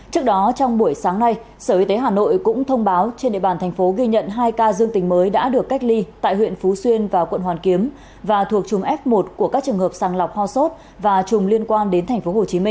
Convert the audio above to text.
trước đó trong buổi sáng nay sở y tế hà nội cũng thông báo trên địa bàn thành phố ghi nhận hai ca dương tình mới đã được cách ly tại huyện phú xuyên và quận hoàn kiếm và thuộc chùm f một của các trường hợp sàng lọc ho sốt và trùng liên quan đến tp hcm